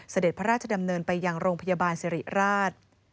เสด็จพระราชดำเนินไปยังโรงพยาบาลสิริราช